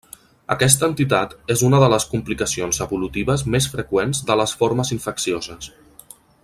Aquesta entitat és una de les complicacions evolutives més freqüents de les formes infeccioses.